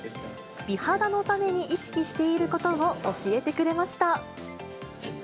美肌のために意識していることを教えてくれました。